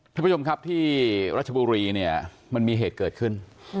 ท่านผู้ชมครับที่รัชบุรีเนี่ยมันมีเหตุเกิดขึ้น